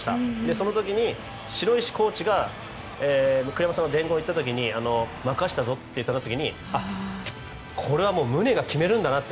その時に、城石コーチが栗山さんのほうに行った時に任せたぞって言った時にこれはムネが決めるんだなって